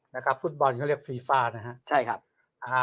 นะครับฟุตบอลเขาเรียกฟีฟ่านะฮะใช่ครับอ่า